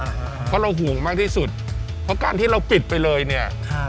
เพราะเราห่วงมากที่สุดเพราะการที่เราปิดไปเลยเนี่ยครับ